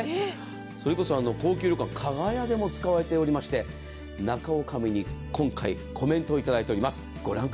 それこそ高級旅館・加賀屋でも使われておりまして、中おかみに今回、コメントをいただいています。